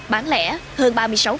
bán lẻ hơn ba mươi sáu